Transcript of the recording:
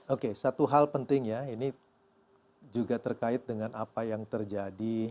oke satu hal penting ya ini juga terkait dengan apa yang terjadi